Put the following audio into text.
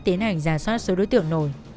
tiến hành giả soát số đối tượng nổi